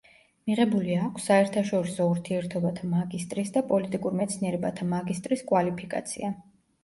მიღებული აქვს საერთაშორისო ურთიერთობათა მაგისტრის და პოლიტიკურ მეცნიერებათა მაგისტრის კვალიფიკაცია.